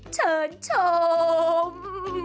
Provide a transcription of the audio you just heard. เชิญชม